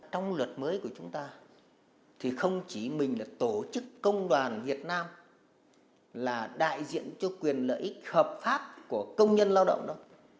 trong luật mới của chúng ta thì không chỉ mình là tổ chức công đoàn việt nam là đại diện cho quyền lợi ích hợp pháp của công nhân lao động đâu